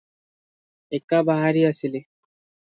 ଏକାବାହାରି ଆସିଲି ।